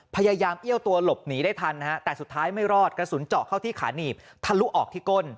พยายามเอี้ยวตัวหลบหนีได้ทันนะฮะแต่สุดท้ายไม่รอดกระสุนเจาะเข้าที่ขาหนีบทะลุออกที่ก้น